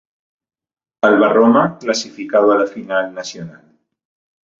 Alba Roma clasificado a la Final Nacional.